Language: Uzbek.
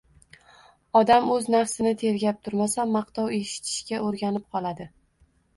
Odam o‘z nafsini tergab turmasa, maqtov eshitishga o‘rganib qoladi.